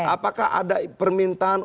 apakah ada permintaan